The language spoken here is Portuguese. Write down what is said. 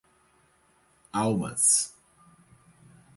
Almas